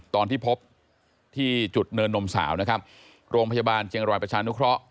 ตอนที่พบที่จุดเนินนมสาวนะครับโรงพยาบาลเชียงรายประชานุเคราะห